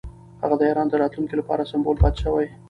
هغه د ایران د راتلونکي لپاره سمبول پاتې شوی.